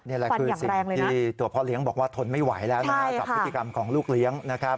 นี่แหละคือสิ่งที่ตัวพ่อเลี้ยงบอกว่าทนไม่ไหวแล้วนะครับกับพฤติกรรมของลูกเลี้ยงนะครับ